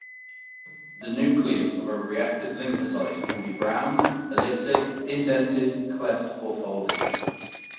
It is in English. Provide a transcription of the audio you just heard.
The nucleus of a reactive lymphocyte can be round, elliptic, indented, cleft, or folded.